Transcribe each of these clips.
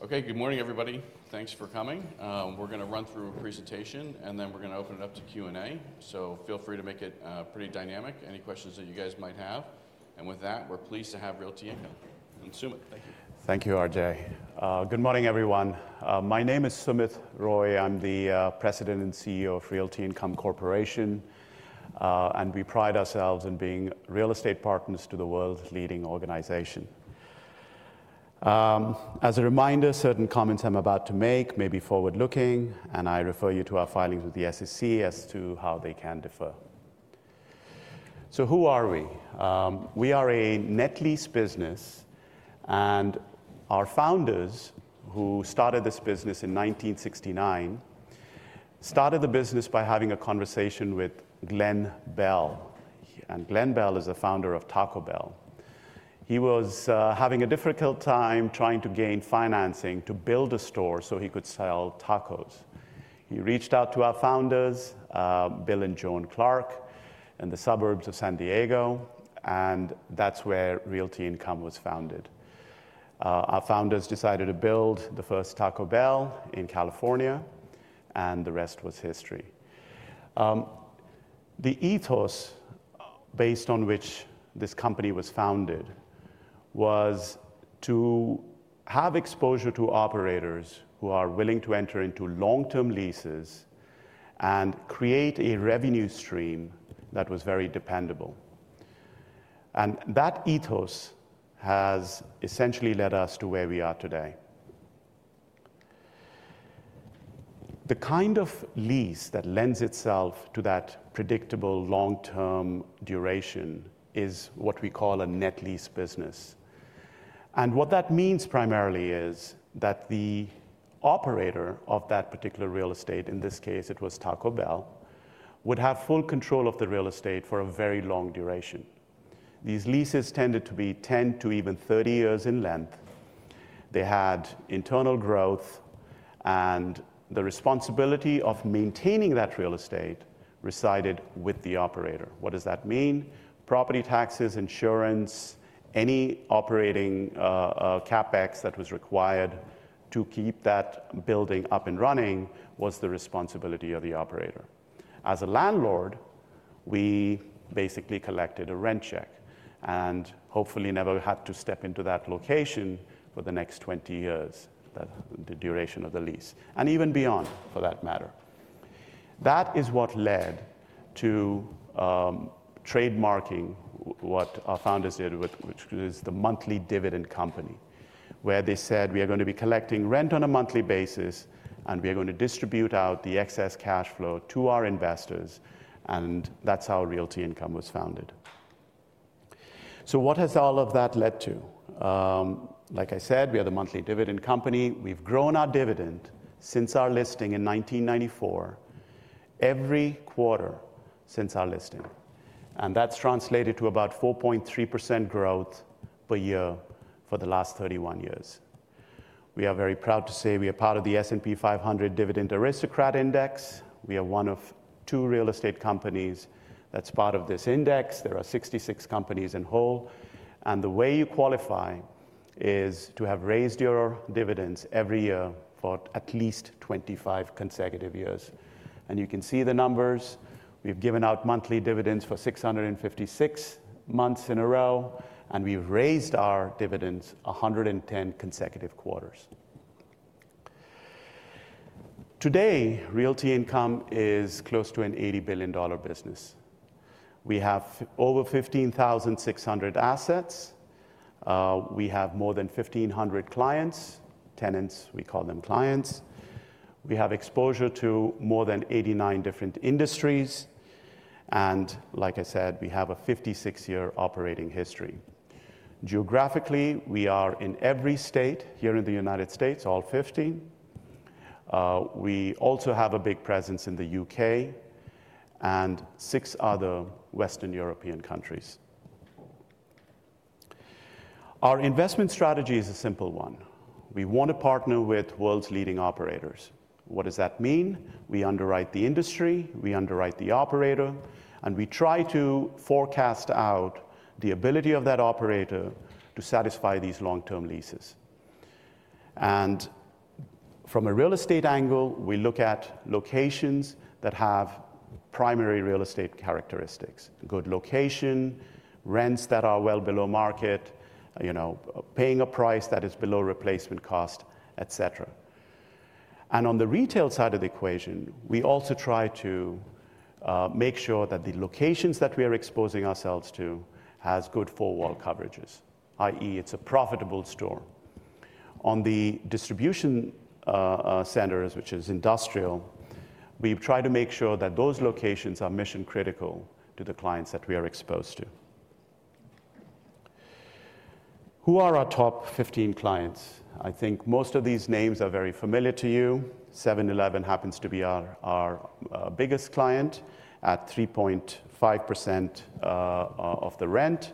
Okay, good morning, everybody. Thanks for coming. We're going to run through a presentation, and then we're going to open it up to Q&A, so feel free to make it pretty dynamic, any questions that you guys might have. And with that, we're pleased to have Realty Income. And Sumit, thank you. Thank you, RJ. Good morning, everyone. My name is Sumit Roy. I'm the President and CEO of Realty Income Corporation, and we pride ourselves on being real estate partners to the world's leading organization. As a reminder, certain comments I'm about to make may be forward-looking, and I refer you to our filings with the SEC as to how they can differ. So who are we? We are a net lease business, and our founders, who started this business in 1969, started the business by having a conversation with Glen Bell, and Glen Bell is the founder of Taco Bell. He was having a difficult time trying to gain financing to build a store so he could sell tacos. He reached out to our founders, Bill and Joan Clark, in the suburbs of San Diego, and that's where Realty Income was founded. Our founders decided to build the first Taco Bell in California, and the rest was history. The ethos based on which this company was founded was to have exposure to operators who are willing to enter into long-term leases and create a revenue stream that was very dependable. And that ethos has essentially led us to where we are today. The kind of lease that lends itself to that predictable long-term duration is what we call a net lease business. And what that means primarily is that the operator of that particular real estate, in this case it was Taco Bell, would have full control of the real estate for a very long duration. These leases tended to be 10 to even 30 years in length. They had internal growth, and the responsibility of maintaining that real estate resided with the operator. What does that mean? Property taxes, insurance, any operating CapEx that was required to keep that building up and running was the responsibility of the operator. As a landlord, we basically collected a rent check and hopefully never had to step into that location for the next 20 years, the duration of the lease, and even beyond, for that matter. That is what led to trademarking what our founders did, which is The Monthly Dividend Company, where they said, "We are going to be collecting rent on a monthly basis, and we are going to distribute out the excess cash flow to our investors," and that's how Realty Income was founded. So what has all of that led to? Like I said, we are The Monthly Dividend Company. We've grown our dividend since our listing in 1994, every quarter since our listing. That's translated to about 4.3% growth per year for the last 31 years. We are very proud to say we are part of the S&P 500 Dividend Aristocrats Index. We are one of two real estate companies that's part of this index. There are 66 companies in all. The way you qualify is to have raised your dividends every year for at least 25 consecutive years. You can see the numbers. We've given out monthly dividends for 656 months in a row, and we've raised our dividends 110 consecutive quarters. Today, Realty Income is close to an $80 billion business. We have over 15,600 assets. We have more than 1,500 clients, tenants, we call them clients. We have exposure to more than 89 different industries. Like I said, we have a 56-year operating history. Geographically, we are in every state here in the United States, all 50. We also have a big presence in the U.K. and six other Western European countries. Our investment strategy is a simple one. We want to partner with world's leading operators. What does that mean? We underwrite the industry, we underwrite the operator, and we try to forecast out the ability of that operator to satisfy these long-term leases. And from a real estate angle, we look at locations that have primary real estate characteristics: good location, rents that are well below market, paying a price that is below replacement cost, et cetera. And on the retail side of the equation, we also try to make sure that the locations that we are exposing ourselves to have good four-wall coverages, i.e., it's a profitable store. On the distribution centers, which is industrial, we try to make sure that those locations are mission-critical to the clients that we are exposed to. Who are our top 15 clients? I think most of these names are very familiar to you. 7-Eleven happens to be our biggest client at 3.5% of the rent.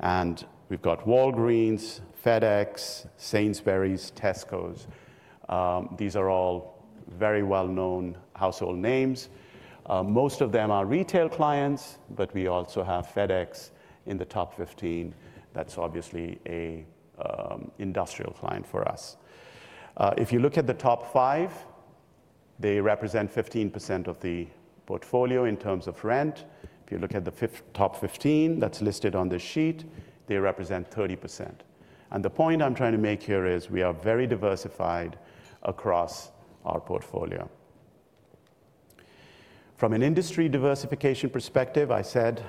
And we've got Walgreens, FedEx, Sainsbury's, Tescos. These are all very well-known household names. Most of them are retail clients, but we also have FedEx in the top 15. That's obviously an industrial client for us. If you look at the top five, they represent 15% of the portfolio in terms of rent. If you look at the top 15 that's listed on this sheet, they represent 30%. And the point I'm trying to make here is we are very diversified across our portfolio. From an industry diversification perspective, I said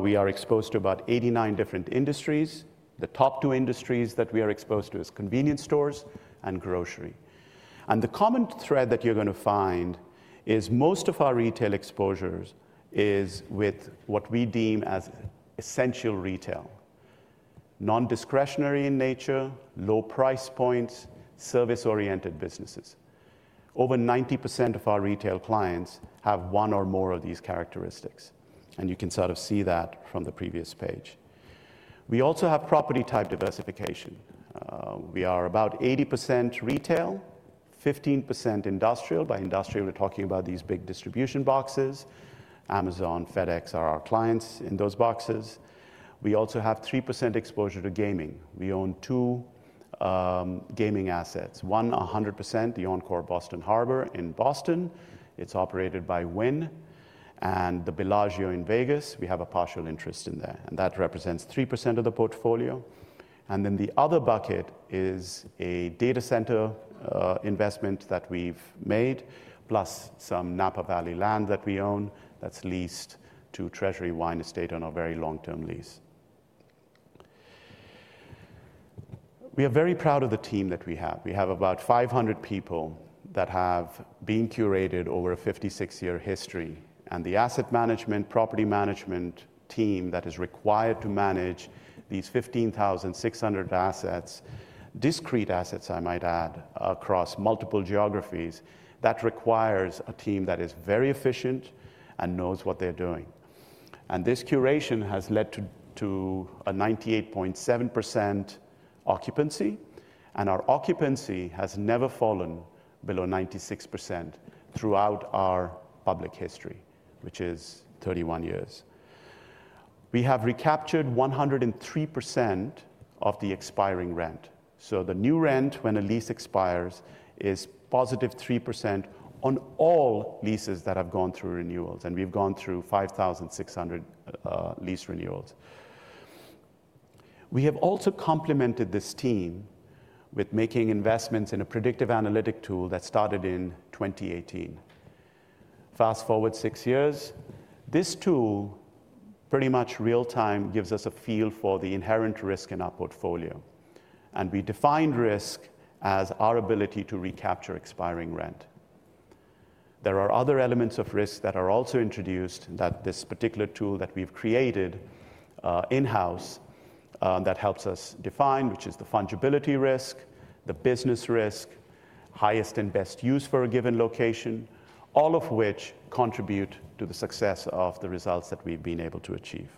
we are exposed to about 89 different industries. The top two industries that we are exposed to are convenience stores and grocery. And the common thread that you're going to find is most of our retail exposures is with what we deem as essential retail: non-discretionary in nature, low price points, service-oriented businesses. Over 90% of our retail clients have one or more of these characteristics, and you can sort of see that from the previous page. We also have property-type diversification. We are about 80% retail, 15% industrial. By industrial, we're talking about these big distribution boxes. Amazon, FedEx are our clients in those boxes. We also have 3% exposure to gaming. We own two gaming assets, one 100%, the Encore Boston Harbor in Boston. It's operated by Wynn and the Bellagio in Vegas. We have a partial interest in there, and that represents 3% of the portfolio, and then the other bucket is a data center investment that we've made, plus some Napa Valley land that we own that's leased to Treasury Wine Estates on a very long-term lease. We are very proud of the team that we have. We have about 500 people that have been curated over a 56-year history, and the asset management, property management team that is required to manage these 15,600 assets, discrete assets, I might add, across multiple geographies, that requires a team that is very efficient and knows what they're doing, and this curation has led to a 98.7% occupancy, and our occupancy has never fallen below 96% throughout our public history, which is 31 years. We have recaptured 103% of the expiring rent. The new rent, when a lease expires, is +3% on all leases that have gone through renewals, and we've gone through 5,600 lease renewals. We have also complemented this team with making investments in a predictive analytic tool that started in 2018. Fast forward six years, this tool pretty much real-time gives us a feel for the inherent risk in our portfolio, and we define risk as our ability to recapture expiring rent. There are other elements of risk that are also introduced that this particular tool that we've created in-house that helps us define, which is the fungibility risk, the business risk, highest and best use for a given location, all of which contribute to the success of the results that we've been able to achieve.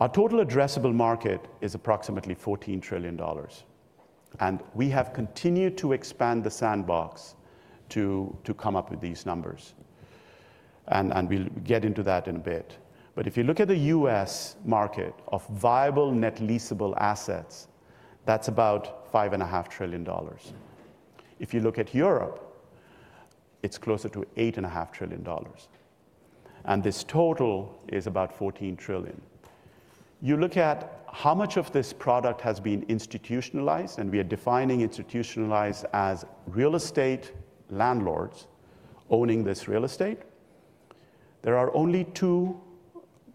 Our total addressable market is approximately $14 trillion, and we have continued to expand the sandbox to come up with these numbers, and we'll get into that in a bit, but if you look at the U.S. market of viable net leasable assets, that's about $5.5 trillion. If you look at Europe, it's closer to $8.5 trillion, and this total is about $14 trillion. You look at how much of this product has been institutionalized, and we are defining institutionalized as real estate landlords owning this real estate. There are only two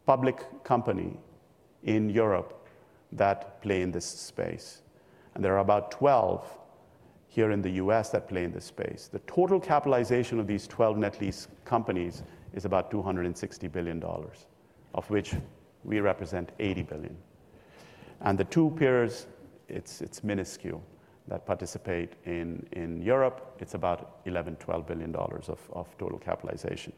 public companies in Europe that play in this space, and there are about 12 here in the U.S. that play in this space. The total capitalization of these 12 net lease companies is about $260 billion, of which we represent $80 billion. The two peers, it's minuscule, that participate in Europe. It's about $11 billion-$12 billion of total capitalization.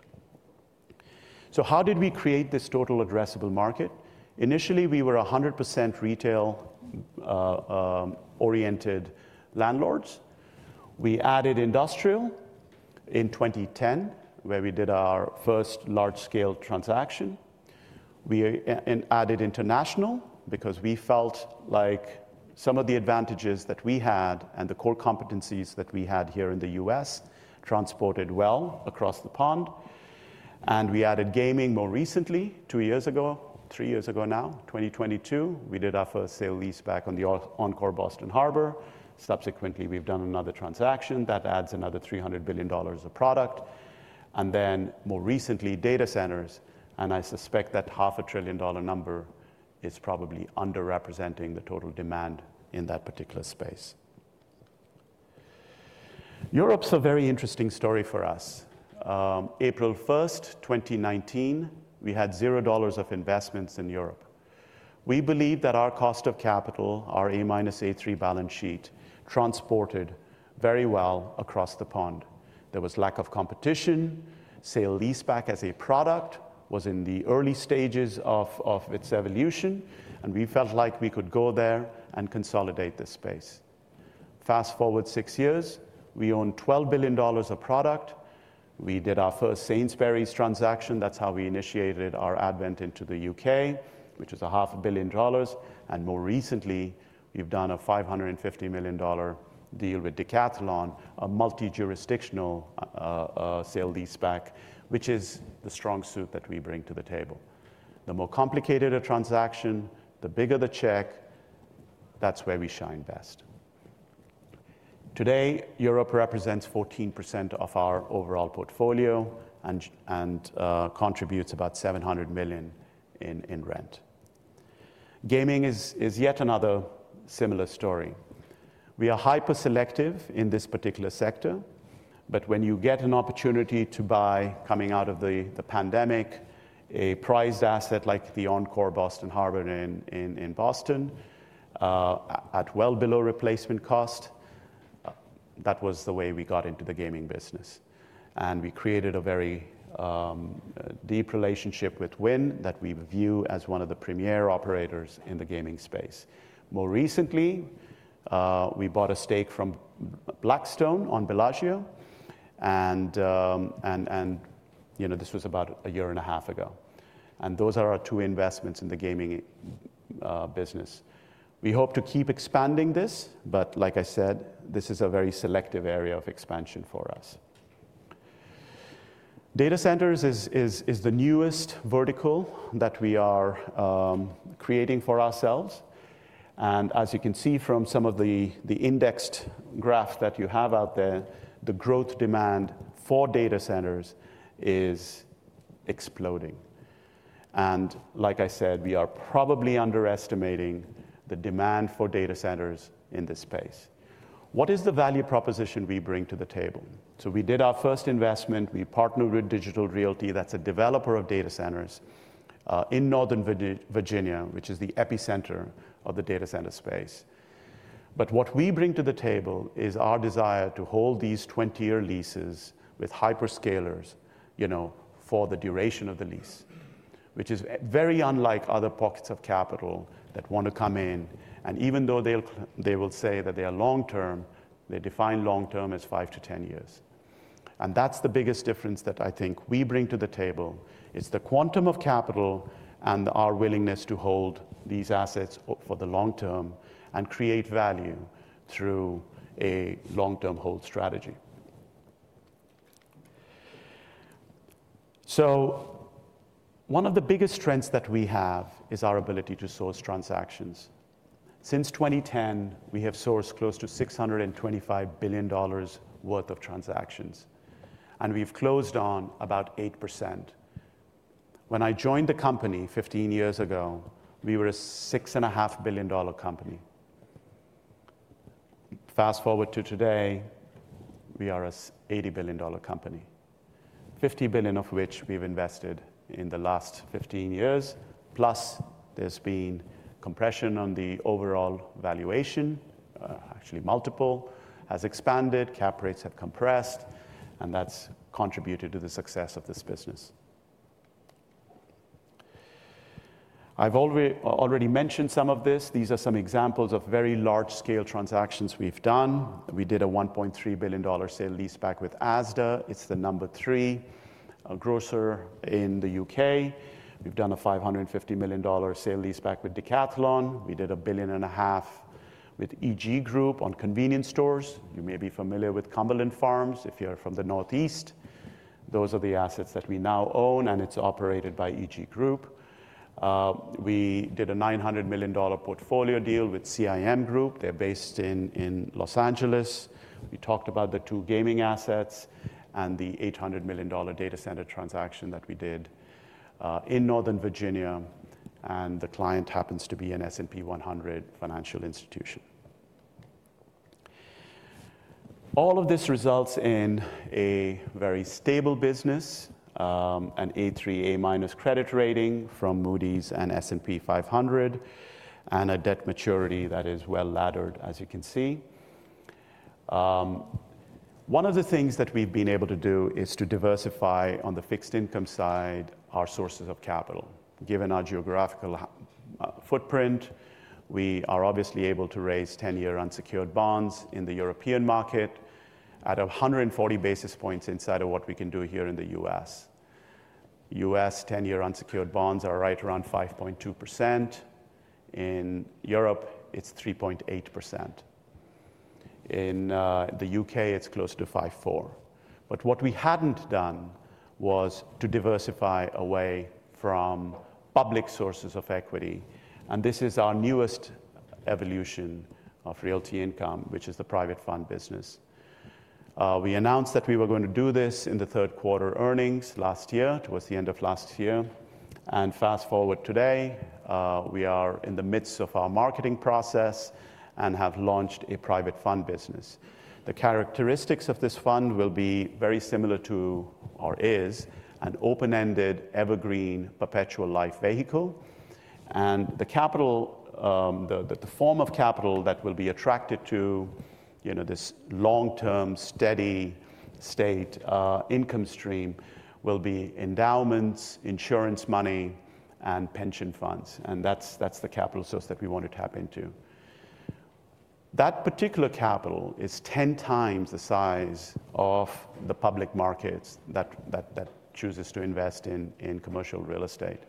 How did we create this total addressable market? Initially, we were 100% retail-oriented landlords. We added industrial in 2010, where we did our first large-scale transaction. We added international because we felt like some of the advantages that we had and the core competencies that we had here in the U.S. transported well across the pond. We added gaming more recently, two years ago, three years ago now, 2022. We did our first sale-leaseback on the Encore Boston Harbor. Subsequently, we've done another transaction that adds another $300 billion of product. More recently, data centers, and I suspect that $500 billion number is probably underrepresenting the total demand in that particular space. Europe's a very interesting story for us. April 1st, 2019, we had $0 of investments in Europe. We believe that our cost of capital, our A-/A3 balance sheet, transported very well across the pond. There was lack of competition. Sale-leaseback as a product was in the early stages of its evolution, and we felt like we could go there and consolidate this space. Fast forward six years, we owned $12 billion of product. We did our first Sainsbury's transaction. That's how we initiated our advent into the U.K., which was $500 million. And more recently, we've done a $550 million deal with Decathlon, a multi-jurisdictional sale-leaseback, which is the strong suit that we bring to the table. The more complicated a transaction, the bigger the check, that's where we shine best. Today, Europe represents 14% of our overall portfolio and contributes about $700 million in rent. Gaming is yet another similar story. We are hyper-selective in this particular sector, but when you get an opportunity to buy, coming out of the pandemic, a prized asset like the Encore Boston Harbor in Boston at well below replacement cost, that was the way we got into the gaming business, and we created a very deep relationship with Wynn that we view as one of the premier operators in the gaming space. More recently, we bought a stake from Blackstone on Bellagio, and this was about a year and a half ago, and those are our two investments in the gaming business. We hope to keep expanding this, but like I said, this is a very selective area of expansion for us. Data centers is the newest vertical that we are creating for ourselves. As you can see from some of the indexed graphs that you have out there, the growth demand for data centers is exploding. Like I said, we are probably underestimating the demand for data centers in this space. What is the value proposition we bring to the table? We did our first investment. We partnered with Digital Realty. That's a developer of data centers in Northern Virginia, which is the epicenter of the data center space. What we bring to the table is our desire to hold these 20-year leases with hyperscalers for the duration of the lease, which is very unlike other pockets of capital that want to come in. Even though they will say that they are long-term, they define long-term as 5-10 years. That's the biggest difference that I think we bring to the table. It's the quantum of capital and our willingness to hold these assets for the long term and create value through a long-term hold strategy. So one of the biggest strengths that we have is our ability to source transactions. Since 2010, we have sourced close to $625 billion worth of transactions, and we've closed on about 8%. When I joined the company 15 years ago, we were a $6.5 billion company. Fast forward to today, we are an $80 billion company, $50 billion of which we've invested in the last 15 years. Plus, there's been compression on the overall valuation, actually multiple, has expanded. Cap rates have compressed, and that's contributed to the success of this business. I've already mentioned some of this. These are some examples of very large-scale transactions we've done. We did a $1.3 billion sale-leaseback with ASDA. It's the number three grocer in the U.K. We've done a $550 million sale-leaseback with Decathlon. We did $1.5 billion with EG Group on convenience stores. You may be familiar with Cumberland Farms if you're from the northeast. Those are the assets that we now own, and it's operated by EG Group. We did a $900 million portfolio deal with CIM Group. They're based in Los Angeles. We talked about the two gaming assets and the $800 million data center transaction that we did in Northern Virginia, and the client happens to be an S&P 100 financial institution. All of this results in a very stable business, an A3, A- credit rating from Moody's and S&P 500, and a debt maturity that is well laddered, as you can see. One of the things that we've been able to do is to diversify on the fixed income side our sources of capital. Given our geographical footprint, we are obviously able to raise 10-year unsecured bonds in the European market at 140 basis points inside of what we can do here in the U.S. U.S. 10-year unsecured bonds are right around 5.2%. In Europe, it's 3.8%. In the U.K., it's close to 5.4%, but what we hadn't done was to diversify away from public sources of equity. This is our newest evolution of Realty Income, which is the private fund business. We announced that we were going to do this in the third quarter earnings last year, towards the end of last year. Fast forward today, we are in the midst of our marketing process and have launched a private fund business. The characteristics of this fund will be very similar to or is an open-ended, evergreen, perpetual life vehicle. The form of capital that will be attracted to this long-term, steady state income stream will be endowments, insurance money, and pension funds. That's the capital source that we want to tap into. That particular capital is 10 times the size of the public markets that chooses to invest in commercial real estate.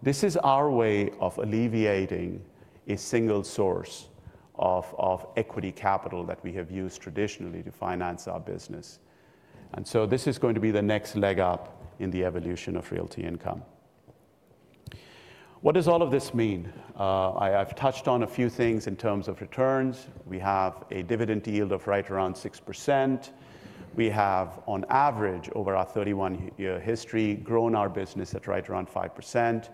This is our way of alleviating a single source of equity capital that we have used traditionally to finance our business. This is going to be the next leg up in the evolution of Realty Income. What does all of this mean? I've touched on a few things in terms of returns. We have a dividend yield of right around 6%. We have, on average, over our 31-year history, grown our business at right around 5%.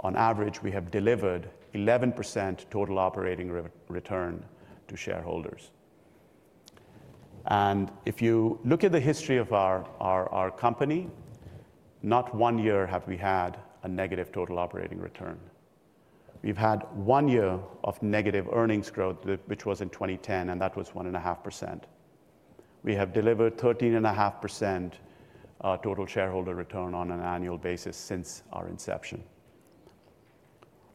On average, we have delivered 11% total operating return to shareholders. If you look at the history of our company, not one year have we had a negative total operating return. We've had one year of negative earnings growth, which was in 2010, and that was 1.5%. We have delivered 13.5% total shareholder return on an annual basis since our inception.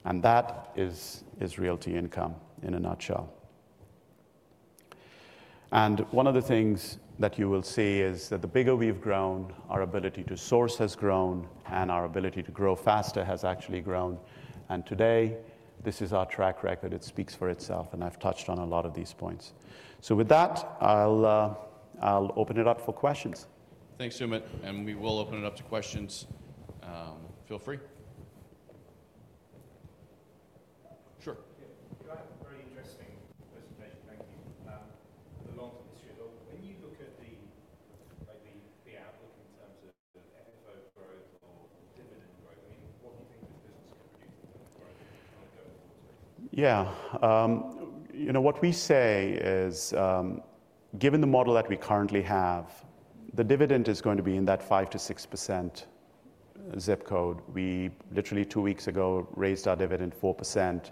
That is Realty Income in a nutshell. One of the things that you will see is that the bigger we've grown, our ability to source has grown, and our ability to grow faster has actually grown. Today, this is our track record. It speaks for itself, and I've touched on a lot of these points. With that, I'll open it up for questions. Thanks, Sumit. And we will open it up to questions. Feel free. Sure. Very interesting presentation. Thank you. The long-term history of it all. When you look at the outlook in terms of FFO growth or dividend growth, I mean, what do you think the business can produce in terms of growth if you're trying to go in the right space? Yeah. What we say is, given the model that we currently have, the dividend is going to be in that 5%-6% zip code. We literally, two weeks ago, raised our dividend 4%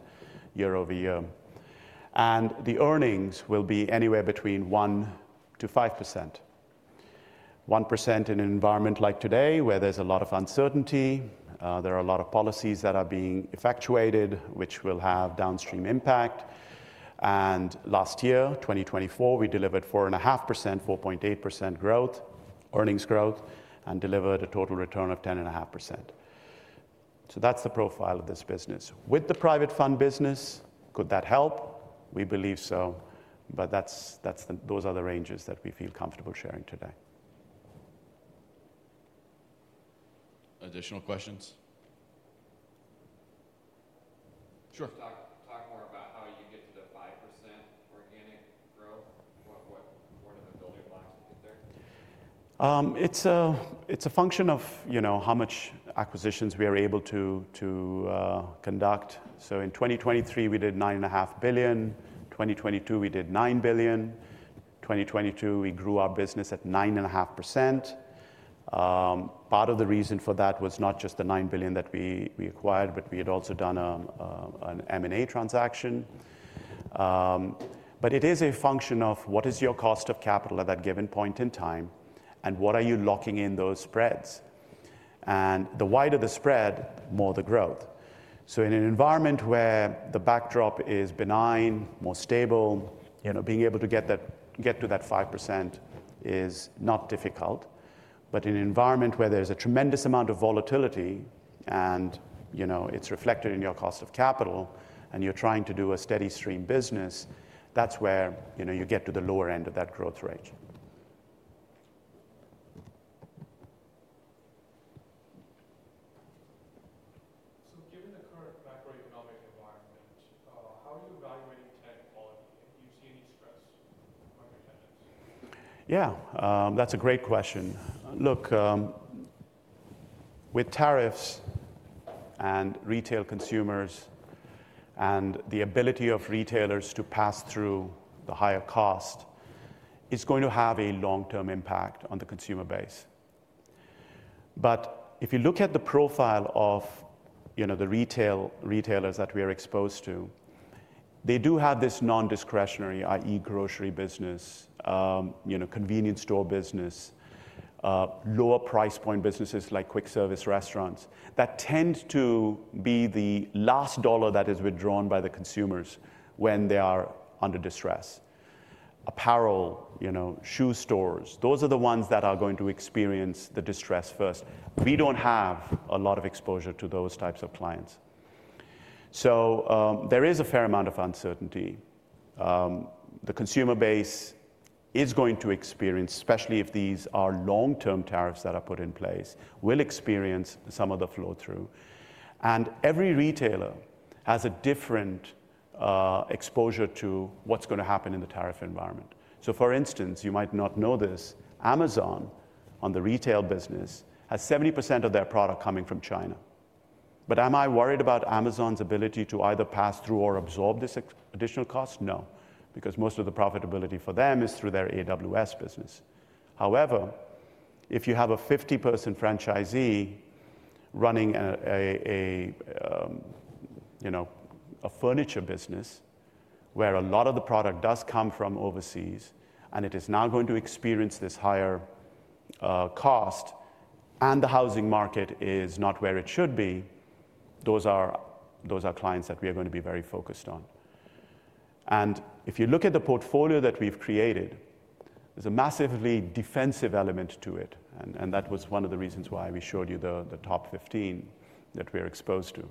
year-over-year. And the earnings will be anywhere between 1%-5%. 1% in an environment like today, where there's a lot of uncertainty, there are a lot of policies that are being effectuated, which will have downstream impact. And last year, 2024, we delivered 4.5%, 4.8% earnings growth, and delivered a total return of 10.5%. So that's the profile of this business. With the private fund business, could that help? We believe so, but those are the ranges that we feel comfortable sharing today. Additional questions? Sure. Talk more about how you get to the 5% organic growth. What are the building blocks to get there? It's a function of how much acquisitions we are able to conduct. So in 2023, we did $9.5 billion. In 2022, we did $9 billion. In 2022, we grew our business at 9.5%. Part of the reason for that was not just the $9 billion that we acquired, but we had also done an M&A transaction. But it is a function of what is your cost of capital at that given point in time, and what are you locking in those spreads? And the wider the spread, the more the growth. So in an environment where the backdrop is benign, more stable, being able to get to that 5% is not difficult. But in an environment where there's a tremendous amount of volatility and it's reflected in your cost of capital, and you're trying to do a steady stream business, that's where you get to the lower end of that growth range. So given the current macroeconomic environment, how are you evaluating tenant quality? Do you see any stress among your tenants? Yeah. That's a great question. Look, with tariffs and retail consumers and the ability of retailers to pass through the higher cost, it's going to have a long-term impact on the consumer base. But if you look at the profile of the retailers that we are exposed to, they do have this non-discretionary, i.e., grocery business, convenience store business, lower price point businesses like quick service restaurants that tend to be the last dollar that is withdrawn by the consumers when they are under distress. Apparel, shoe stores, those are the ones that are going to experience the distress first. We don't have a lot of exposure to those types of clients. So there is a fair amount of uncertainty. The consumer base is going to experience, especially if these are long-term tariffs that are put in place, will experience some of the flow-through. Every retailer has a different exposure to what's going to happen in the tariff environment. So for instance, you might not know this, Amazon, on the retail business, has 70% of their product coming from China. But am I worried about Amazon's ability to either pass through or absorb this additional cost? No, because most of the profitability for them is through their AWS business. However, if you have a 50% franchisee running a furniture business where a lot of the product does come from overseas and it is now going to experience this higher cost, and the housing market is not where it should be, those are clients that we are going to be very focused on. And if you look at the portfolio that we've created, there's a massively defensive element to it. That was one of the reasons why we showed you the top 15 that we are exposed to.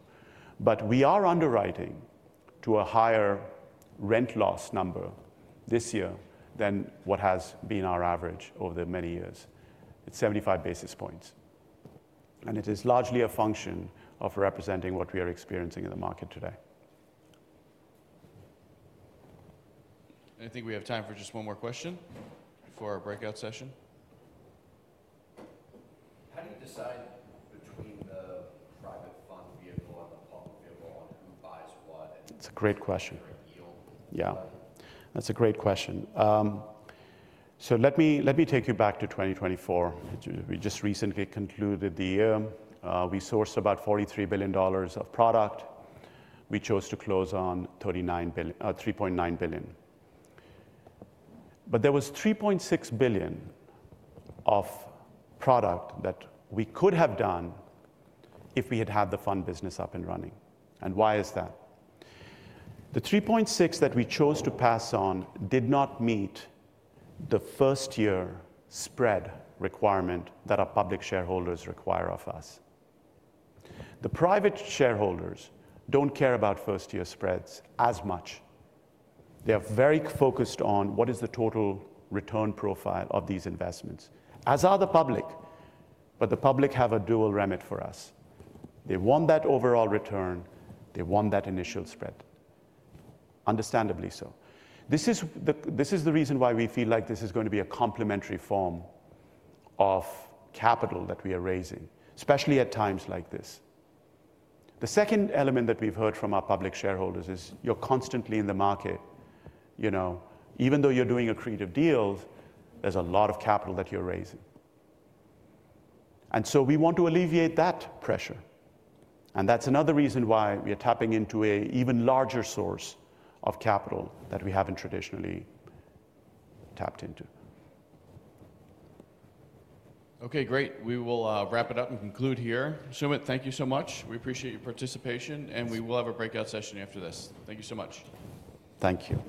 But we are underwriting to a higher rent loss number this year than what has been our average over the many years. It's 75 basis points. It is largely a function of representing what we are experiencing in the market today. I think we have time for just one more question before our breakout session. How do you decide between the private fund vehicle and the public vehicle on who buys what? Or deal? That's a great question. Yeah. That's a great question. So let me take you back to 2024. We just recently concluded the year. We sourced about $43 billion of product. We chose to close on $3.9 billion. But there was $3.6 billion of product that we could have done if we had had the fund business up and running. And why is that? The $3.6 billion that we chose to pass on did not meet the first-year spread requirement that our public shareholders require of us. The private shareholders don't care about first-year spreads as much. They are very focused on what is the total return profile of these investments, as are the public. But the public have a dual remit for us. They want that overall return. They want that initial spread. Understandably so. This is the reason why we feel like this is going to be a complementary form of capital that we are raising, especially at times like this. The second element that we've heard from our public shareholders is you're constantly in the market. Even though you're doing accretive deals, there's a lot of capital that you're raising. And so we want to alleviate that pressure. And that's another reason why we are tapping into an even larger source of capital that we haven't traditionally tapped into. Okay, great. We will wrap it up and conclude here. Sumit, thank you so much. We appreciate your participation, and we will have a breakout session after this. Thank you so much. Thank you.